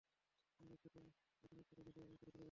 আমরা এখানে একসাথে এসেছি, এবং একসাথে ফিরে যাব।